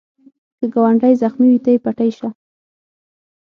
که ګاونډی زخمې وي، ته یې پټۍ شه